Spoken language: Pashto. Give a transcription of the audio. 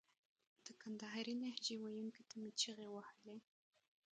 د کندهارۍ لهجې ویونکو ته مې چیغې وهلې.